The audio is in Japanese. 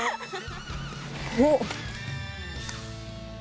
おっ。